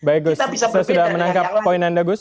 baik gus saya sudah menangkap poin anda gus